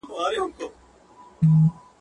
دلته یو وخت د ساقي کور وو اوس به وي او کنه.